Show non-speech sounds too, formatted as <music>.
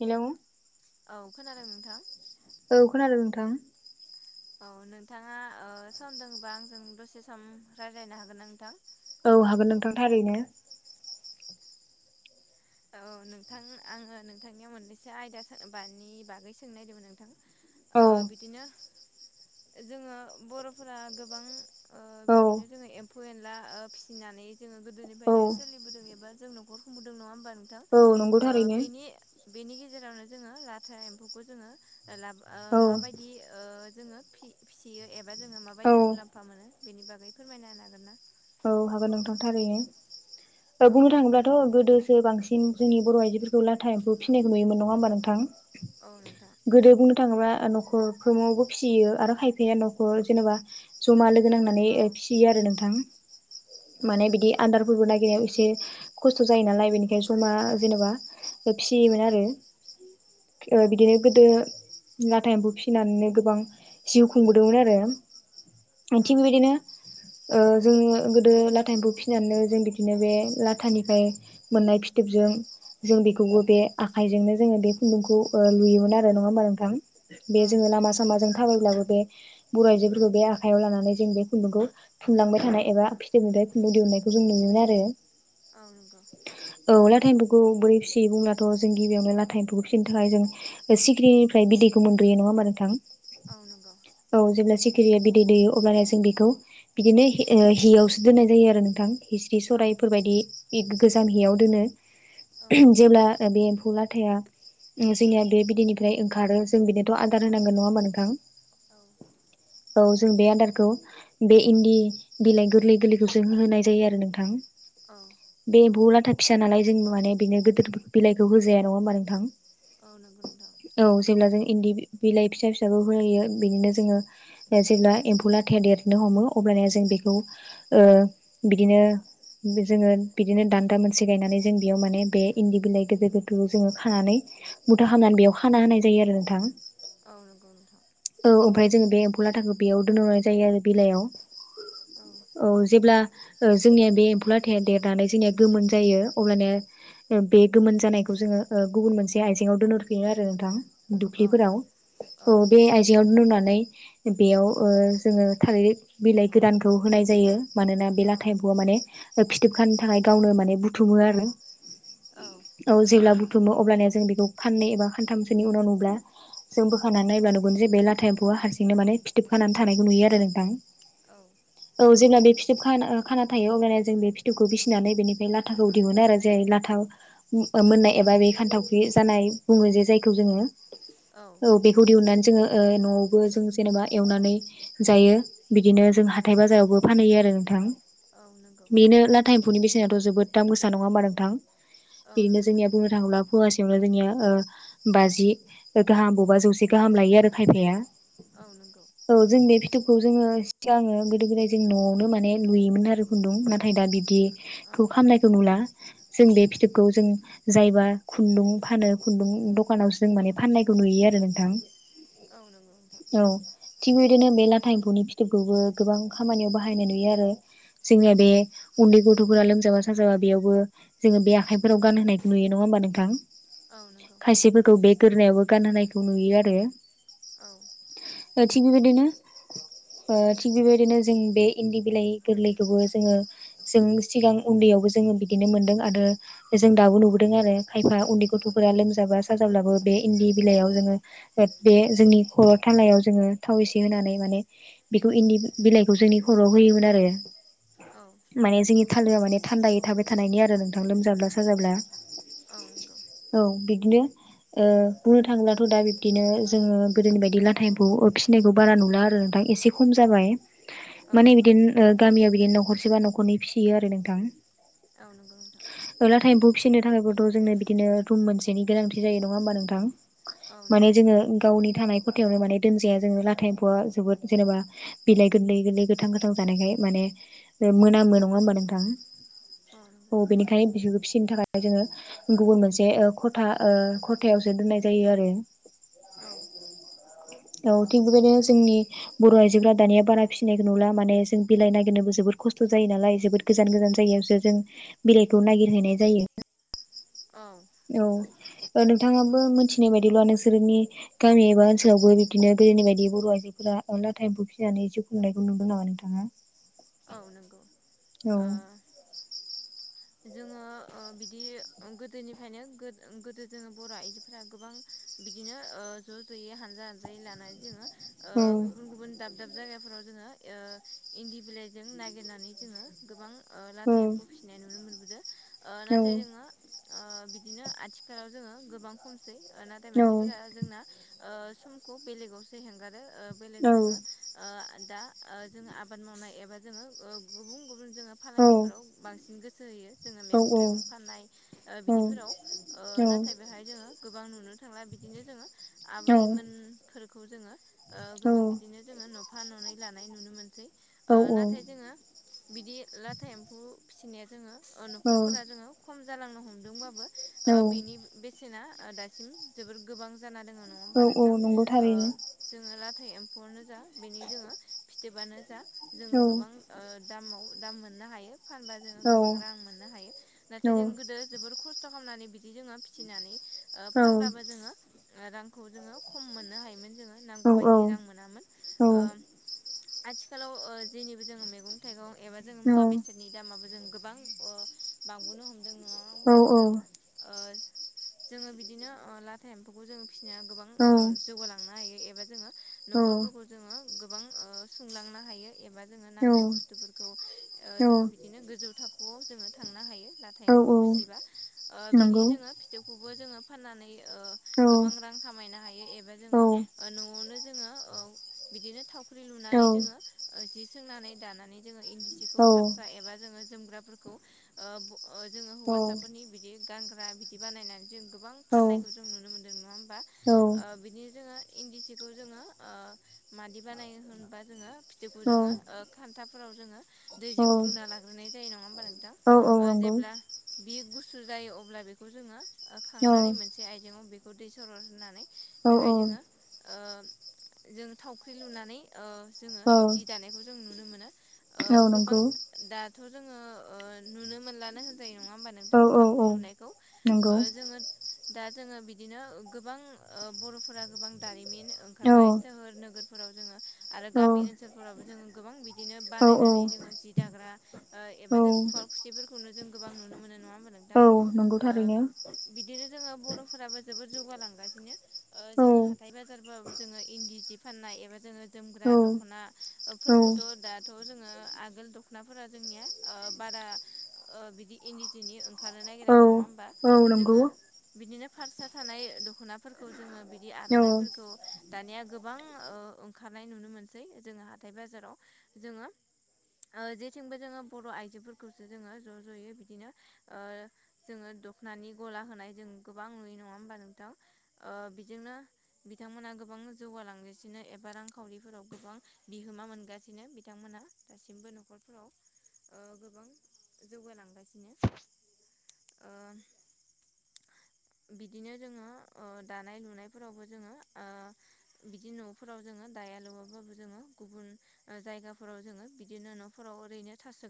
Hello. औ खोनादों नोंथां? औ खोनादों नोंथां। औ नोंथाङा सम ओ दङ'बा आंजों दसे सम रायज्लायनो हागोन ना नोंथां? औ हागोन नोंथां थारैनो। औ नोंथां आङो नोंथांनियाव मोननैसो आयदा सा बानि बागै सोंनो नागिरदोंमोन नोंथां। औ ओ बिदिनो जोङो बर'फोरा गोबां ओ औ बिदिनो जोङो एम्फौ एनला फिसिनानै जोङो औ गोदोनिफ्रायनो सोलिबोदों एबा जों न'खर खुंदों नङा होनबा नोंथां? औ नंगौ ओ थारैनो बेनि बेनि गेजेरावनो जोङो लाथा एम्फौखौ जोङो ओ लाब ओ औ औ माबायदि ओ जोङो फि-फिसियो एबा जोङो माबायदि औ मुलाम्फा मोनो बेनि बागै फोरमायनो हागोन ना? औ हागोन नोंथां थारैनो, औ बुंनो थाङोब्लाथ' गोदो दो बांसिन जोंनि बर' आइजोफोरखौ लाथा एम्फौ फिनायखौ नुयोमोन नङा होमबा नोंथां? औ नोंथां। थाङोबा न'खरफ्रोमावबो फिसियो आरो खायफाया न'खर जेनेबा जमा लोगो नांनानै औ फिसियो आरो नोंथां। औ माने बिदि नंगौ आनदारफोरबो नागिरनायाव एसे से खस्थ' जायो नालाय बेनिखायनो जमा जेनेबा ज' औ फिसियोमोन आरो। औ बिदिनो गोदो लाथा एम्फौ फिसिनानैनो गोबां जिउ खुंबोदोंमोन आरो। औ थिग बेबायदिनो ओ जोङो गोदो लाथा एम्फौ फिनानैनो जों बिदिनो बे लाथानिफ्राय मोननाय फिथोबजों जों बेखौबो बे आखाइजोंनो जोङो बे खुन्दुंखौ ओ लुयोमोन आरो। नङा होमबा नोंथां? औ बे जोङो लामा सामा जों थाबायब्लाबो बे बर' आइजोफोरखौ बे आखायाव लानानै जों बे खुन्दुंखौ थुनलांबाय थानाय एबा फिथोबनिफ्राय खुन्दुं दिहुननायखौ जों नुयोमोन आरो। औ नंगौ औ लाथा एम्फौखौ बोरै फि यो बुंब्लाथ' जों गिबियावनो लाथा एमफौखौ फिनो थाखाय जों सिगिरिनिफ्राय बिदैखौ मोनग्रोयो, नङा होमबा नोंथां? औ नंगौ औ, जेब्ला सिखिरिया बिदै दैयो अब्लानो जों बेखौ बिदिनो हि ओ हियावसो दोननाय जायो आरो नोंथां हिस्रि औ सराइफोरबायदि इग गोजाम हियाव दोनो। औ जेब्ला बे एम्फौ ला थाया उम जोंनिया बे बिदैनिफ्राय ओंखारो जों बिनि थ' आदार औ होनांगोन। नङा होनबा औ नोंथां? औ जों बे आदारखौ बे इन्दि बिलाइ गोरलै गोरलैखौ जों होनाय जायो आरो नोंथां। औ बे एम्फौ लाथा फिसा नालाय जों माने बेनो गोदोर बिलाइखौ होजाया, नङा होमबा नोंथां? औ नोंगौ नोंथां। औ जेब्ला जों इन्दि बि-बिलाइ फिसा फिसाखौ होयो बिदिनो जोङो जेब्ला एम्फौ लाथाया देरनो हमो अब्ला जों बेखौ ओ बिदिनो जोङो बिदिनो दान्दा मोनसे गायनानै जों बेयाव माने बे इन्दि बिलाइ गोदोर गोदोरखौ जोङो खानानै मुथा खामनानै बेयाव खाना होनाय जायो आरो नोंथां। नंगौ नोंथां औ, ओमफाय जोङो बे एम्फौ लाथाखौ बेयाव दोननाय जायो आरो। बिलाइयाव। औ औ जेब्ला ओ जोंनिया बे एम्फौ लाथाया देरनानै जोंनिया गोमोन जायो अब्लानिया ओ बे गोमोन जानायखौ जोङो गुबुन मोनसे आइजेंआव दोनहरफिनो आरो नोंथां। औ दुफ्लिफोराव। औ बे आइजेंआव लुनानै बेयाव ओ जोङो थालिर बिलाइ गोरानखौ होनाय जायो। मानोना बे लाथा एम्फौया माने फिथोबखानो थाखाय गावनो माने बुथुमो आरो। औ जेला बु बुथुमो अब्लानिया जों बेखौ खाननै एबा खानथामसोनि उनाव नुब्ला जों बोखानानानै नायब्ला नुगोन जे बे लाथ था एम्फौया औ हारसिंनो माने फिथोब खानानै थानायखौ नुयो आरो नोंथां। औ। औ जेब्ला बे फिथोब खाना ओ खाना थायो अब्लाना जों बे फिथोबखौ बिसिनानै बेनिफ्राय लाथाखौ दिहुनो आरो जे लाथाव मो-मोननाय एबा बे खान्थावखि जानाय बुङो जे जायखौ जोङो औ बेखौ दिहुन्नानै जोङो ओ न'आव बो जों जेन'बा एवनानै जायो। बिदिनो जों हाथाय बाजायावबो फानहैयो आरो नोंथां। औ नंगौ बेनो लाथा एम म्फौनि बेसेनाथ' जोबोद दाम गोसा नङा होनबा नोंथां? औ बिदिनो नंगौ जोंनिया बुंनो थाङोब्ला फवासेयावनो जोंनिया ओ बाजि गाहाम बबेबा जौसे गाहाम लायो आरो खायफाया। औ नंगौ। औ जों बे फिथोबखौ जोङो सिगाङो गोदो गोदाय जों न'आवनो माने लुयोमोन आरो खुन्दुं नाथाय दा बिब्दि औ थ' खालामनायखौ नुला जों बे फिथोबखौ जों जायबा खुन्दुं फानो खुन्दुं दखानावसो जों माने फाननायखौ नुयो आरो नोंथां औ नोंखौ नोंथां औ थिग बे बिदिनो बे लाथा एम्फौनि फिथोबखौबो गोबां खामानियाव बाहायनाय नुयो आरो जोंनिया बे उन्दै गथ'फोरा लोमजाबा साजाबा बेयावबो जोङो बे आखाइफोराव गानहोनायखौ नुयो नङा होनोमबा औ नोंथां नंगौ खायसेफोरखौ बे गोरोनायावबो गानहोनायखौ नुयो आरो औ थिग बेबायदिनो थिग बेबायदिनो जों बे इन्दि बिलाइ गोरलैखौबो जोङो जों सिगां उन्दैयावबो जोङो बिदिनो मोन आरो जों दाबो नुबोदों आरो खायफा उन्दै गथ'फोरा लोमजाबा साजाब्लाबो बे इन्दि बिलायाव जोंङो बे जोंनि खर थालायाव जोंङो थाव इसे होनानै मानि इन्दि बिलाइखौ जोंनि खर आव होयोमोन आरो औ मानि जोंङो थालोआ माने थान्दायै थाबाय थानायनि आरो नोंथां लोमजाब्ला साजाब्ला औ नंगौ औ बिदिनो ओ बुंनो थाङोब्लाथ' दा बिब्दिनो जोङो गोदोनि बायदि लाथायखौ फिसिनायखौ बारा नुला आरो दा एसे खम जाबाय औ माने नंगौ बिदिनो ओ गामियाव बिदिनो न'खरसेबा न'खरनै फिसियो आरो नोंथां औ नंगौ नोंथां लाथा एम्फौ फिसिनो थाखायबोथ' जोंनो बिदिनो रुम मोनसेनि गोनांथि जायो नङा होमबा नोंथां औ मानि नंगौ जोङो गावनि थानाय खथायाव माने दोनजाया जोङो लाथा एम्फौआ जोबोद जेनेबा बिलाइ गोरलै गोरलै गोथां गोथां जानायखाय माने मोनामो नङा होमबा नोंथां औ बेनिखायनो बिसोरखौ फिसिनो थाखाय ओफ्राय जोङो गुबुन मोनसे ओ खथा खथायाव सो दोननाय जायो आरो औ औ थिग बेबायदिनो जोंनि बर' आइजोफोरा दानिया बारा फिसिनायखौ नुला माने जों बिलाइ नागिरनोबो जोबोद जखस्थ' जायो नालाय जोबोद गोजान गोजान जायगायावसो जों बिलाइखौ नागिरहैनाय जायो औ औ ओ नोंथाङाबो मिथिनाय बायदिल' नोंसोरनि गामि एबा ओनसोलावबो बिदिनो गोदोनि बायदि बर' आइजोफोरा अनला टाइम बु फिनानै एसे खुंनायखौ नुदों नामा नोंथाङा औ नंगौ। औ जोङो ओ बिदि गोदोनिफ्रायनो गोदो जोङो बर' आइजोफोरा गोबां बिदिनो ओ ज' ज'यै हानजा हानजायै लानानै जोङो ओ औ गुबुन गुबुन दाब दाब जायगाफोराव जोङो ओ इन्दि बिलाइ जों नागिरनानै जोङो गोबां लाथा एम्फौ फिसिनाय नुनो मोनबोदों ओ नाथाय जोङो ओ बिदिनो आथिखालाव जोङो गोबां खमसै नाथाय औ मानसिफोरा जोंना ओ समखौ बेलेगावसो हेगारो। ओ बेलेग औ जोङो ओ दा ओ जोङो आबाद मावनाय एबा जोङो ओ गुबुन गुबुन जोङो फालांगिफोराव बांसिन गोसो होयो जोङो औ मैगं थाइगं फाननाय ओ बिदिफोराव ओ नाथाय बेहाय जोङो गोबां नुनो थांला बिदिनो जोङो आबैमोनफोरखौ जोङो ओ गोबां बिदिनो जोङो न'फा ननै लानाय नुनो मोनसै औ ओ औ नाथाय जोङो बिदि लाथा एम्फौ फिसिनाया जोङो न'खरफोरा जोङो खम जालांनो हमदोंबाबो ओ औ बेनि बेसेना ओ दासिम जोबोर गोबां जाना दङ नङा औ होनबा औ नोंथां नंगौ ओ थारैनो जोङो ला हाथाइ एम्फौआनो जा बेनि जोङो फिथोबानो जा जोङो औ गोबां ओ दामाव दाम मोननो हायो फानबा जोङो औ गोबां रां मोननो हायो नाथाय जों नंगौ गोदो जोबोर खस्थ' खालामनानै बिदि जोङो फिसिनानै ओ फानब्लाबो जोङो रांखौ जोङो खम मोननो हायोमोन जोङो नांगौबायदियै रां मोनामोन ओ आथिखालाव ओ जेनिबो जोङो मैगं थाइगं एबा जों मुवा बेसादनि दामाबो जों गोबां ओ बांबोनो हम औ औ। जोङो बिदिनो ओ लाथा एम्फौखौ जोङो फिसिनाया गोबां ओ जौगालांनो हायो एबा जोङो न'खरफोरखौ जोङो गोबां ओ सोंलांनो हायो एबा जोङो नांगौ बुस्थुफोरखौ जोङो बिदिनो गोजौ थाखोआव जोङो थांनो हायो लाथाय एम्फौखौ फिसिबा ओ बिनि जोङो फिथोबखौबो जोङो फाननानै ओ गोबां रां खामायनो हायो एबा जोङो न'आवनो जोङो ओ बिदिनो थावख्रि लुनानै जोङो जि सोंनानै दानानै जोङो इन्दि सिखौ फारसा एबा जोङो जोमग्राफोरखौ ओ बो जोङो हौवासाफोरनि बिदि गानग्रा बिदि बानायनानै जों गोबां फाननायखौ जों नुनो मोन्दों नङा होमबा? ओ बिदिनो जोङो इन्दि सिखौ जोङो ओ मादि बानाय होनबा जोङो फिथोबखौ जोङो ओ खान्थाब फोराव जोङो दैजों रुना लाग्रोनाय जायो नङा होनबा नोंथां? ओ जेब्ला बियो गु सु जायो अब्ला बेखौ जोङो ओ खांनानै मोनसे आयजेंआव बेखौ दै सरर होनानै बेहाय जोङो ओ जों थावख्रि लुनानै ओ जोङो जि दानायखौ जों नुनो मोनो। ओ गोबां दा थ' जोङो ओ नुनो मोनलानो होनजायो नङा होमबा नोंथां थावख्रि लुनायखौ? ओ जोङो दा जोङो बिदिनो गोबां ओ बर'फोरा गोबां दारिमिन ओंखारबाय सोहोर नोगोर फोराव जोङो आरो गामि ओनसोल फोरावबो जों गोबां बिदिनो बानायनानै जोङो जि दाग्रा ओ एबा जोङो खुवालखुसिफोरखौ जों गोबां नुनो मोनो होनबा नोंथां? ओ थारैनो बिदिनो जोङो बर'फोराबो जोबोद जौगालांगासिनो ओ जोङो औ हाथाय बाजारबाबो जोङो इन्दि सि फाननाय एबा जोङो जोमग्रा औ दख'ना ओ फोरखौथ' दाथ' जोङो आआगोल दख'नाफोरा जोंनिया ओ बारा ओ बिदि इन्दि जिनि ओंखारनो औ नागिरामोन नङा होमबा? औ जोङो नंगौ बिदिनो पारसा थानाय दख'नाफोरखौ जोङो बिदि औ आर'नाइफोरखौ दानिया गोबां ओ ओंखारनाय नुनो मोनसै‌ जोङो हाथथाय बाजाराव जोङो ओ जेथिंबो जोङो बर' आइजोफोरखौसो जोङो ज' ज'यै बिदिनो ओ जोङो दख'नानि गला होनाय जों गोबां नुयो नङा होमबा नोंथां? ओ बेजोंनो बिथांमोना गोबां जौगालांगासिनो एबा रांखावरिफोराव गोबां बिहोमा मोनगासिनो बिथांमोना दासिमबो न'खरफोराव ओ गोबां जौगालांगासिनो ओ। <unintelligible> बिदिनो जोङो ओ दानाय लुनायफोरावबो जोङो ओ बिदि न'फोराव जोङो दाया लुवाबाबो जोङो गुबुन ओ जायगाफोराव जोङो बिदिनो न'फोराव ओरैनो थासो